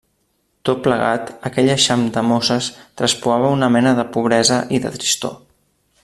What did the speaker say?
Tot plegat, aquell eixam de mosses traspuava una mena de pobresa i de tristor…